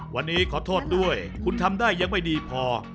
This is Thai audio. วันนี้ขอโทษด้วยคุณทำได้ยังไม่ดีพอ